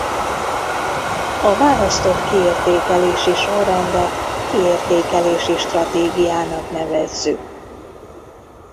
A választott kiértékelési sorrendet kiértékelési stratégiának nevezzük.